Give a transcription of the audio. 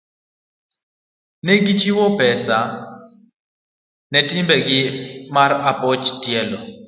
ne gichiwo pesa ne timbegi mar opich tielo.